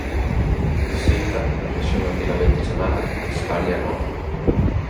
Sita na rexión antigamente chamada Hispania Nova.